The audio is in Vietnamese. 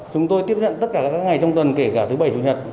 chúng tôi tiếp nhận tất cả các ngày trong tuần kể cả thứ bảy chủ nhật